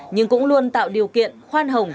nhưng cũng luôn tạo điều kiện khoan hồng